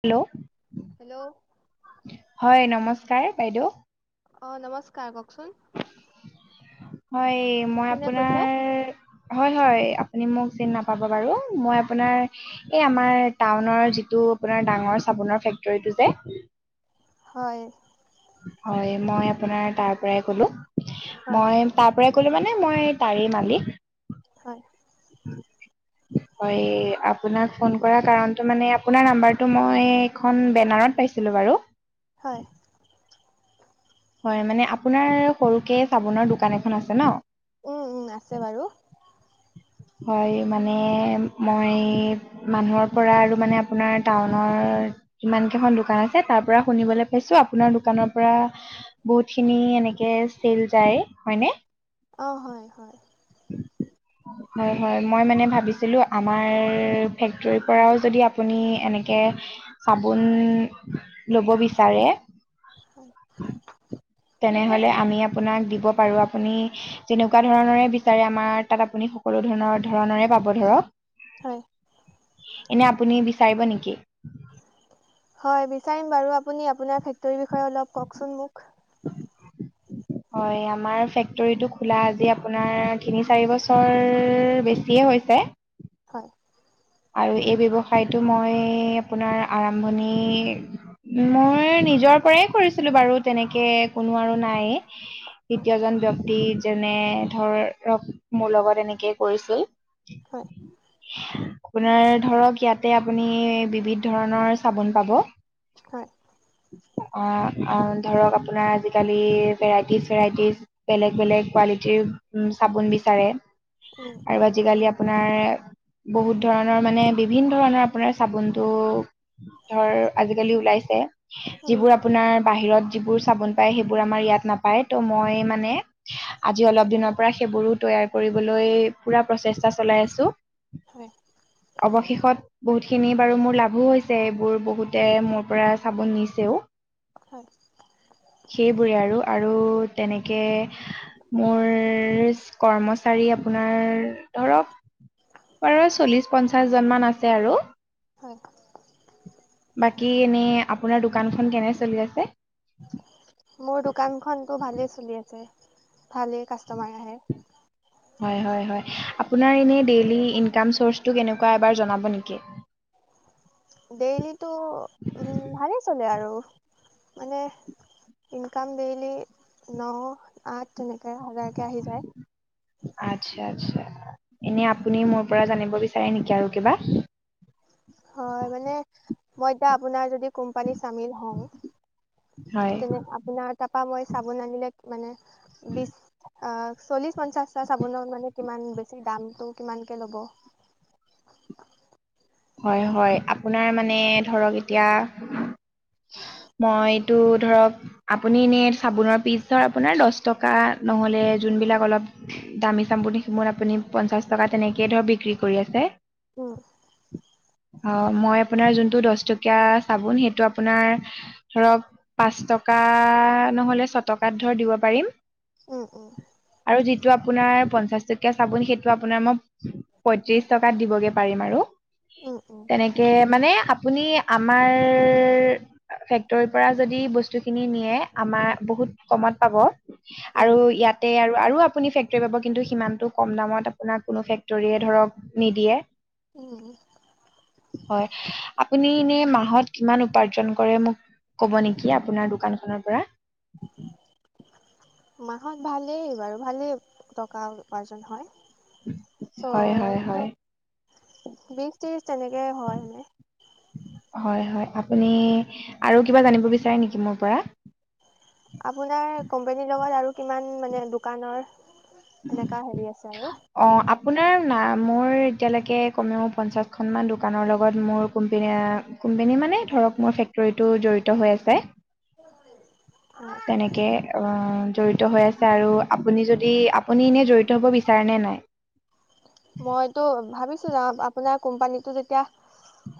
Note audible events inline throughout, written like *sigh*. Hello hello হয় নমস্কাৰ বাইদেউ অ নমস্কাৰ কওকচোন হয় মই কোনে আপোনাৰ কৈছে? হয় হয় আপুনি মোক চিন নাপাব বাৰু মই আপোনাৰ এই আমাৰ টাউনৰ যিটো আপোনাৰ ডাঙৰ চ আপোনাৰ ফেক্টৰীটো যে হয় হয় মই আপোনাৰ তাৰ পৰাই কলো হয় মই তাৰ পৰাই কলো মানে মই তাৰে মালিক হয় হয় আপোনাক ফোন কৰাৰ কাৰণটো মানে আপোনাৰ নাম্বাৰটো মই এইখন বেনাৰত পাইছো পাইছিলো বাৰু হয় হয় মানে আপোনাৰ সৰুকে চাবোনৰ দোকান এখন আছে ন উম উম আছে বাৰু হয় মানে মই মানুহৰ পৰা আৰু মানে আপোনাৰ টাউনৰ ইমান কেইখন দোকান আছে তাৰ পৰা শুনিবলৈ পাইছো আপোনাৰ দোকানৰ পৰা বহুতখিনি এনেকে চেল যায় হয়নে অ হয় হয় *inaudible* হয় হয় মই মানে ভাবিছিলো আমাৰ ফেক্টৰীৰ পৰাও যদি আপুনি এনেকে চাবোন লব বিচাৰে তেনেহ'লে আমি আপোনাক দিব পাৰোঁ, আপুনি যেনেকুৱা ধৰণৰে বিচাৰে আমাৰ তাত আপুনি সকলো ধৰণৰ ধৰণৰে পাব ধৰক। হয়। এনে আপুনি বিচাৰিব নেকি? হয় বিছাৰিম বাৰু, আপুনি আপোনাৰ ফেক্টৰীৰ বিষয়ে অলপ ককচোন মোক। হয় আমাৰ ফেক্টৰীটো খোলা আজি আপোনাৰ তিনি চাৰি বছৰ বেছিয়ে হৈছে। হয়। আৰু এই ব্যৱসায়টো মই আপোনাৰ আৰম্ভণি মোৰ নিজৰ পৰাই কৰিছিলো বাৰু তেনেকে কোনো আৰু নাই হয় দৃতীয়জন ব্যক্তি যেনে ধৰক মোৰ লগত এনেকেই কৰিছিল হয়। আপোনাৰ ধৰক ইয়াতে আপুনি বিবিধ ধৰণৰ চাবোন পাব। হয়। অ অ ধৰক আপোনাৰ আজিকালি ভেৰাইটিজ ভৰাইটিজ বেলেগ বেলেগ কোৱা যি চাবোন বিচাৰে উম আৰু আজিকালি আপনাৰ বহুত ধৰণৰ মানে বিভিন্ ধৰণৰ আপোনাৰ চাবোনটো ধৰ আজিকালি ওলাইছে যিবোৰ উম আপোনাৰ বাহিৰত যিবোৰ চাবোন পায়, সেইবোৰ আমাৰ ইয়াত নাপায় ত' মই মানে আজি অলপ দিনৰ পৰা সেইবোৰো ত তৈয়াৰ কৰিবলৈ পুৰা প্ৰচেষ্টা চলাই আছো হয় অৱশেষত বহুতখিনি বাৰু মোৰ লাভো হৈছে এইবোৰ বহুতে মোৰ পৰা চাবন নিছেও হয় *unintelligible* সেইবোৰে আৰু, আৰু তেনেকে মোৰ কৰ্মচাৰী আপোনাৰ ধৰক বাৰ-চ চল্লিশ পঞ্চাশ জন মান আছে আৰু, হয় বাকী কি এনে আপোনাৰ দোকানখন কেনে চলি আছে? মোৰ দোকানখনটো ভালেই চলি আছে। ভালেই কাষ্টমাৰ আহে। হয় হয় হয়, আপোনাৰ এনে ডেইলী ইনকাম চৰ্ছটু কেনেকুৱা এবাৰ জনাব নেকি। ডেইলিতো উম ভালেই চলে আৰু মানে ইনকাম ডেইলি ন আঠ তেনেকে হাজাৰকে আহি যায়। আচ্ছা আচ্ছা। এনে আপুনি মোৰ পৰা জানিব বিচাৰে নেকি আৰু কিবা? হয় মানে মই এতিয়া আপোনাৰ যদি কোম্পানীত চামিল হওঁ হয় তেনে আপোনাৰ তাৰপা মই চাবোন আনিলে মানে বিছ আহ চল্লিশ পঞ্চাশটা চাবোনৰত মানে কিমান বেছি দামটো কিমানকে ল'ব। হয় হয় আপোনাৰ মানে ধৰক এতিয়া মই এইটো ধৰক আপুনি এনে চাবোনৰ পিছ ধৰ আপোনাৰ দছ টকা নহলে যোনবিলাক অলপ দামী চাবোন আপুনি পঞ্চাশ টকা তেনেকে ধৰ বিক্ৰী কৰি আছে উম অ' মই আপোনাৰ যোনটো দশটকীয়া চাবোন সেইটো আপোনাৰ ধৰক পাঁচ টকা টকা নহ'লে ছটকাত ধৰ দিব পাৰিম। উম উম আৰু যিটো আপোনাৰ পঞ্চাশ টকীয়া চাবোন সেইটো আপোনাৰ মই পঁয়ত্ৰিশ টকাত দিবগে পাৰিম আৰু। উম উম তেনেকে মানে আপ আপুনি আমাৰ ফেক্টৰীৰ পৰা যদি বস্তুখিনি নিয়ে আমাৰ বহুত বুহুত কমত পাব উম আৰু ইয়াতে আৰু আৰু আপুনি ফেক্টৰী পাব, কিন্তু সিমানটো কম দামত আপোনাৰ কোনো ফেক্টৰীয়ে ধৰক নিদিয়ে। উম হয়, আপুনি এনে মাহত কিমান উপাৰ্জন কৰে মোক ক'ব নেকি আপোনাৰ দোকানখনৰ পৰা। মাহত ভালেই বাৰু ভালে টকা উপাৰ্জন হয়। চ হয় হয় হয় বিশ ত্ৰিশ তেনেকে হয় মনে। হয় হয় আপুনি আৰু কিবা জানিব বিচাৰে নেকি মোৰ পৰা। আপোনাৰ কোম্পানীৰ লগত আৰু কিমান মানে দোকানৰ এনেকুৱা হেৰি আছে আৰু অ আপোনাৰ না মোৰ এতিয়ালৈকে কমেও পঞ্চাছখনমান দোকানৰ লগত মোৰ কোম্পেনী কোম্পানী মানে ধৰক মোৰ ফেক্টৰীটো জড়িত হৈ আছে। উ *unintelligible* তেনেকে, অ' জড়িত হৈ আছে আৰু আপুনি যদি আপুনি এনে জড়িত হ'ব বিচাৰেনে নাই। মইতো ভাবিছো ন আপোনাৰ কোম্পানীটো যেতিয়া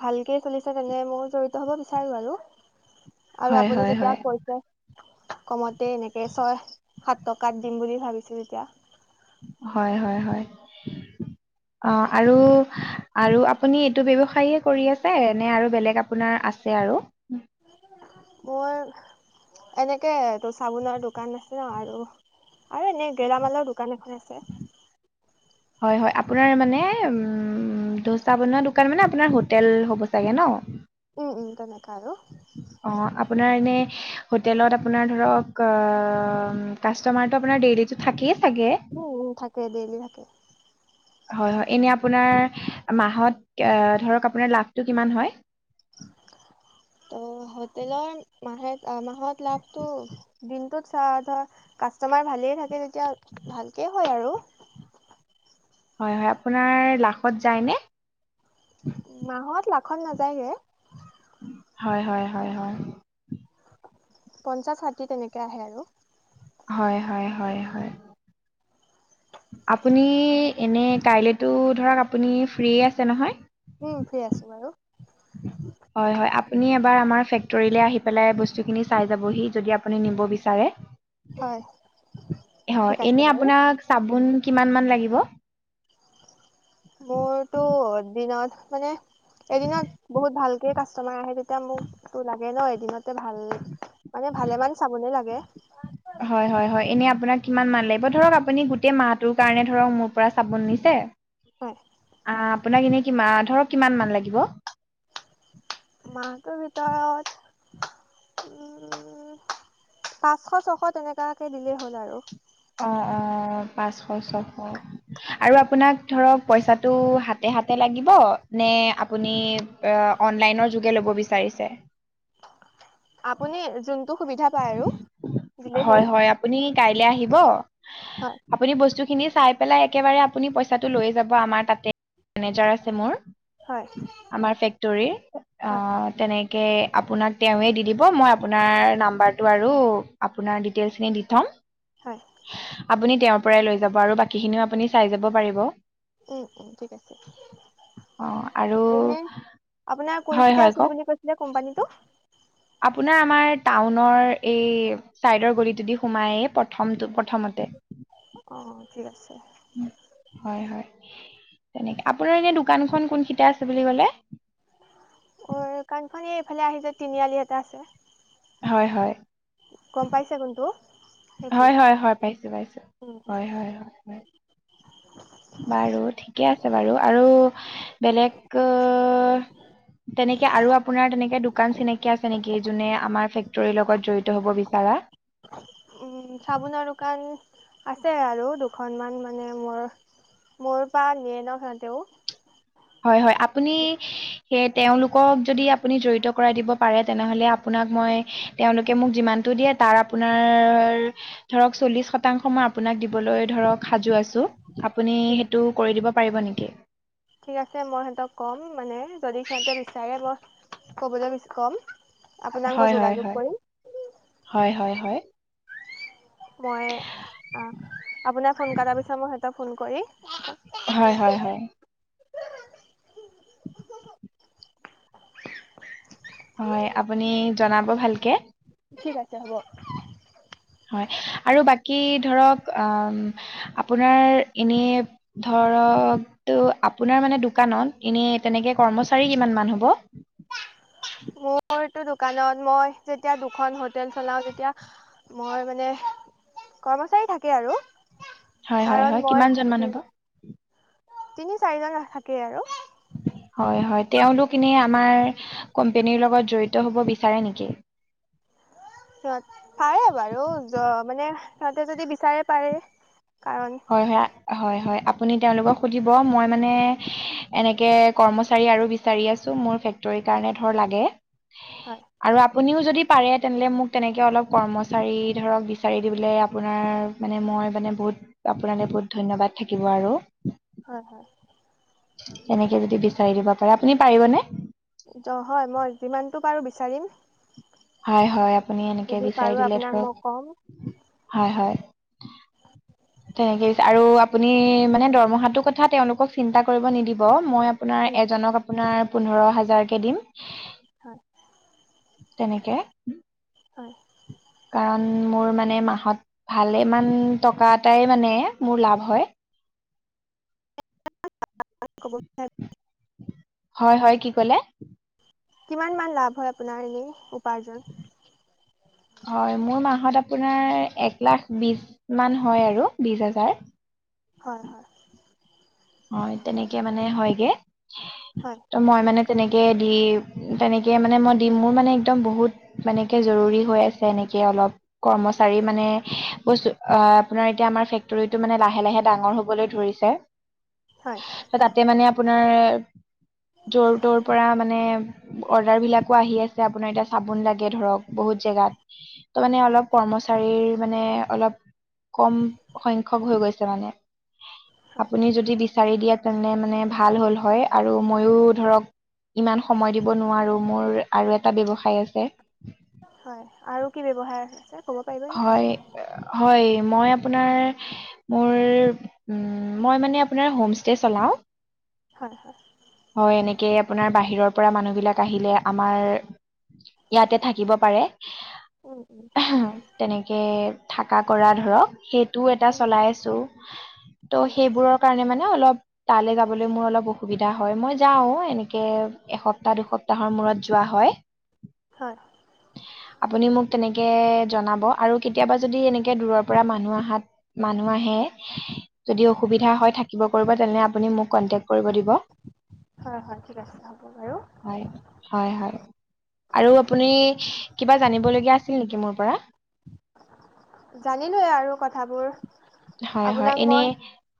ভালকে চলিছে তেনে মই জড়িত হ'ব বিচাৰো আৰু। আৰু হয় আপুনি হয় যেতিয়া হয় কৈছে কমতে এনেকে ছয় সাত টকাত দিম বুলি ভাবিছো তেতিয়া হয় হয় হয় অ আৰু আৰু আপুনি এইটো ব্য্য়ৱসায়ে কৰি আছে নে আৰু বেলেগ আপোনাৰ আছে আৰু *inaudible* মোৰ এনেকেটো চাবোনৰ দোকান আছে ন আৰু আৰু এনে গেলামালৰ দোকান এখন আছে হয় হয় আপোনাৰ মানে উ ধোচা বনোৱা দোকান মানে আপোনাৰ হোটেল হ'ব চাগে ন। উম উম তেনেকা আৰু। অ' আপোনাৰ এনে হোটেলত আপোনাৰ ধৰক অ কাষ্টমাৰটো আপোনাৰ ডেইলীতো থাকি উম, থাকে ডেইলি থাকে। হয় হয় এনে আপোনাৰ মাহত ধৰক আপোনাৰ লাভটো কিমান হয়। উম *unintelligible* ত' হোটেলৰ মথা মাহত লাভটো দিনটোত চ ধৰ কাষ্টমাৰ ভালেই থাকে তেতিয়া ভালকৈ হয় আৰু উ হয় হয় আপোনাৰ লাখত যায়নে মাহত লাখল নাযায়গে হয় হয় পঞ্চাশ ষাঠি তেনেকে আহে আৰু হয় হয় হয় হয় আপুনি এনে কাইলেতো ধৰক আপুনি ফ্ৰীয়ে আছে নহয় উম ফু্ৰী আছো বাৰু হয়, হয় আপুনি এবাৰ আমাৰ ফেক্টৰিলে আহি পেলাই বস্তুবোৰ চাই যাবহি। যদি আপুনি নিব বিচাৰে। হয় ঠিক হয় আছে এনে বাৰু আপোনাক চাবোন কিমান মান লাগিব মোৰতো এ দিনত মানে এদিনত বহুত ভালকে কাষ্টমাৰ আহে তেতিয়া মোক ত লাগে ন এদিনতে ভাল মানে ভালে মমান চাবনে লাগে হয় হয় হয় এনে আপোনাক কিমান মাল লাগিব ধক আপুনি গোটেই মাহটোৰ কাৰণে ধৰক মোৰ পৰা চাব নিছে হয় আহ আপোনাক এনে ধক কি ল মাহটোৰ ভিতৰত উম পাঁচশ ছশ তেনেকুৱাকে দিলেই হ'ল আৰু অ অ পাঁচশ ছশ আৰু আপোনাক ধৰক পইচাটো হাতে হাতে লাগিব নে আপুনি আ অনলাইনৰ যোগেদি ল'ব বিচাৰিছে। আপুনি যোনটো সুবিধা পায় আৰু দিলেই হয় হ'ল হয় আপুনি কাইলে আহিব হয় আপুনি বস্তু স খিনি চাই পেলাই একেবাৰে আপুনি পইচা টো লৈ যাব আমাৰ তাতে মেজাৰ আছে মোৰ হয় আমাৰ ফেক্টৰ হয় তেনে তাকে আপোনাক তেওঁৱে দি দিব মই আপোনাৰ নাম্বাৰটো আৰু আপোনাৰ ডিটেইলছ খিনি দি থম হয় আপুনি তেওঁৰ লৈ যাব আৰু বাকী খিনিও আপুনি চাই যাব পাৰিব উম উম ঠিক আছে অঁ আৰু এনে আপোনাৰ হয় কোনখতে হয় আছিল কওক বুলি কৈছিলে কোম্পানীটো আপোনাৰ আমাৰ টাউনৰ এই চাইডৰ গলিটোদি সোমায় প্ৰথম প্ৰথমতে অ ঠিক আছে উম হয় হয়নেে আপোনাৰ এনে দোকানখন কোনেইটা আছে বুলি কলে অ কাণখ এইফালে আহি যে তিনিআলি এটা আছে হয় হয় গম পাইছে কোনটো? সেইফালে হয় হয় হয় পাইছো পাইছো উম উম হয় হয়। বাৰু ঠিকে আছে বাৰু, আৰু বেলেগ তেনেকে আৰু আপোনাৰ তেনেকে দোকান চিনাকি আছে নেকি যোনে আমাৰ ফেক্টৰীৰ লগত জড়িত হব বিচাৰা? চাবোনৰ দোকান আছে আৰু দুখনমান মানে মোৰ। মোৰ পা নিয়েন সিহঁতেও। হয় হয়, আপুনি সেয় তেওঁলোকক যদি আপুনি জড়িত কৰাই দিব পাৰে তেনেহ'লে আপোনাক মই তেওঁলোকে মোক যিমান দিয়ে তাৰ আপোনাৰ ধৰক চল্লিছ শতাংশ মই আপোনাক দিবলৈ ধৰক সাজু আছোঁ আপুনি সেইটো কৰি দিব পাৰিব নেকি ঠিক আছে মই সিহঁতক ক'ম মানে যদি সিহঁতে বিচাৰে মই ক'বলৈ ক'ম আপোনাক মই হয় হয় যোগাযোগ হয় হয় হয় কৰিম হয় মই অ আপোনাক ফোন কট পিছাৰ মই সিহঁতক ফোন কৰি হয় হয় হয় হয় আপুনি জনাব ভালকে ঠিক আছে হ'ব। হয়, আৰু বাকী ধৰক অম আপোনাৰ এনে ধ ধৰক টো আপোনাৰ মানে দোকানত এনে তেনেকে কৰ্মচাৰী কিমান মান হ'ব? মুৰ মূৰটো দোকানত মই যেতিয়া দুখন হোটেল চলাওঁ তেতিয়া মই মানে কৰ্মচাৰী থাকে আৰু, হয় হয় হয় কাৰণ মই কিমানজন মান এ হ'ব? তিনি চাৰিজন থাকেই আৰু। উ হয় হয়, তেওঁলোক এনে আমাৰ কোম্পেনীৰ লগত জড়িত হ'ব বিচাৰে নেকি? সিহঁত পাৰে বাৰু, মানে সিহঁতে যদি বিচাৰে পাৰে। কাৰণ হয় হয় হয় হয় আ আপুনি তেওঁলোকক সুধিব, মই মানে এনেকৈ কৰ্মচাৰী আৰু বিচাৰি আছোঁ মোৰ ফেক্টৰীত কাৰণে ধৰ লগে, হয় আৰু আপুনিও য যদি পাৰে তেনেহলে মোক তেনেকৈ অলপ কৰ্মচাৰী ধৰক বিচাৰি দিবলৈ আপোনাৰ মানে মই ম বহুত আপোনালৈ বহুত ধন্যবাদ থাকিব আৰু। হয় হয়। তেনেকে যদি বিচাৰি দিব পাৰে, আপুনি পাৰিবনে? চাৰিম হয় হয় আপুনি অনেকে পাৰো বিচাৰি দিলে আপোনাক মই ধৰক, ক'ম হয় হয়। তেনেকে আৰু আপুনি মানে দৰমহাটো কথা তেওঁলোকক চিন্তা কৰিব নিদিব, মই আপোনাৰ এজনক আপোনাৰ পোন্ধৰ হাজাৰ কে দিম। হয়। তেনেকে। কাৰণ মোৰ মানে মাহত ভালেমান টকা এটাই মানে মোৰ লাভ হয়। *unintelligible* হ'ব হয় হয়, কি কলে? কিমান মান লাভ হয় আপোনাৰ এনে উপাৰ্জন। হয়, মোৰ মাহত আপোনাৰ এক লাখ বি মান হয় আৰু বিশ হাজাৰ। হয়। হয় তেনেকে মানে হয়গে, হয় ত মই মানে তেনেকে দি তেনেকে মানে মই দিম, মোৰ মানে একদম বহুত মানেকে জৰুৰী হৈ আছে এনেকে অলপ কৰ্মচাৰী মানে বস্তু, আপোনাৰ এতিয়া আমাৰ ফেক্টৰীটো মানে লাহে লাহে ডাঙৰ হবলৈ ধৰিছে। হয় ত তাতে মানে আপোনাৰ যোৰ তৰ পৰা মানে অৰ্ডাৰ বিলাকো আহি আছে আপোনাৰ এতিয়া চাবোন লাগে ধৰক বহুত জেগাত ত মানে হয় অলপ কৰ্মচাৰীৰ মানে অলপ কমসংখ্যক হৈ গৈছে হয় মানে বিচাৰি দিয়া তেনে মানে ভাল হ'ল হয় আৰু মইো ধৰক ইমান সময় দিব নোৱাৰো মোৰ আৰু এটা ব্য্ৱসায় আছে হয় আৰু কি ব্যৱসায় আছে ক'ব পাৰিব নেকি হয় হয় মই আপোনাৰ মোৰ মই মানে আপোনাৰ হোম ষ্টে চলাওঁ। হয় হয়। হয় এনেকেই আপোনাৰ বাহিৰৰ পৰা মানুহ বিলাক আহিলে আমাৰ ইয়াতে থাকিব পাৰে। উম উম তেনেকে থাকা কৰা ধৰক। সেইটোও এটা উম চলাই আছো ত' উম সেইবোৰৰ কাৰণে মানে অলপ তালৈ যাবলৈ মোৰ অলপ অসুবিধা হয় মই যাও এনেকে এসপ্তাহ দুসপ্তাহৰ মূৰত যোৱা হয় হয় আপুনি মোক তেনেকে জনাব আৰু কেতিয়াবা যদি এনেকে দূৰৰ পৰা মানুহ আহাত মানুহ আহে যদি অসুবিধা হয় থাকিব পাৰিব তেনে আপুনি মোক কণ্টেক্ট কৰিব দিব হয় হয় ঠিক আছে হ'ব বাৰু হয় হয় হয় আৰু আপুনি কিবা জানিবলগীয়া আছিল নেকি মোৰ পৰা জানিলোৱে আৰু কথাবোৰ হয় হয় আপোনাক এনে মই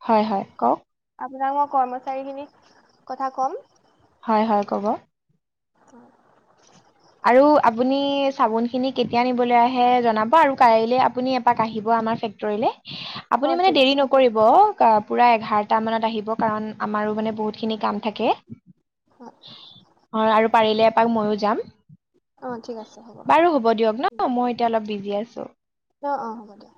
হয় হয় কওক আপোনাক মই কৰ্মচাৰী খিনিক কথা কম হয় হয় ক'ব *inaudible* আৰু আপুনি চাবোন খিনি কেতিয়া নিবলৈ আহে জনাব আৰু কাইলৈ আপুনি এপাক আহিব আমাৰ ফেক্ট্ৰৰিলৈ অ আপুনি মানে ঠিক দেৰি আছে নকৰিব পুৰা এঘাৰটা মানত আহিব কাৰণ আমাৰো মানে বহুতখিনি কাম থাকে অ অ আৰু পাৰিলে এপাক ময়ো যাম অ ঠিক আছে বাৰু হ'ব দিয়ক ন মই এতিয়া অলপ বিজি আছো অ অ হ'ব দিয়ক